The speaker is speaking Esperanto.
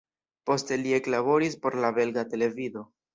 Poste li eklaboris por la belga televido.